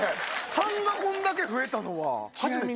３がこんだけ増えたのは初めて。